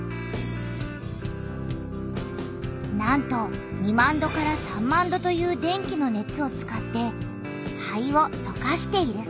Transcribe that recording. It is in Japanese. なんと２万度３万度という電気の熱を使って灰を溶かしている。